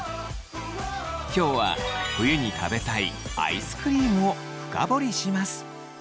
今日は冬に食べたいアイスクリームを深掘りします。